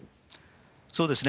そうですね。